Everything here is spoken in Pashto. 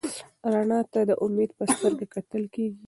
رڼا ته د امید په سترګه کتل کېږي.